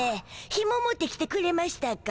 ひも持ってきてくれましゅたか？